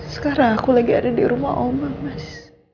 sekarang aku lagi ada di rumah omang mas